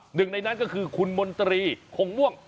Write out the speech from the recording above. หนึ่งในนั้นก็คือคุณมนตรีคงม่วง